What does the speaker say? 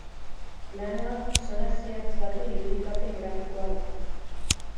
Planoa zona zehatz baten irudikapen grafikoa da.